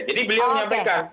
jadi beliau menyampaikan